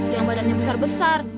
yang badannya besar besar